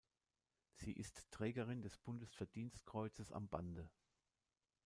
Sie ist Trägerin des Bundesverdienstkreuzes am Bande.